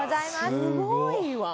すごいわ！